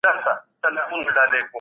دغه ډول زده کړو ته يې سکولاستيک ويل.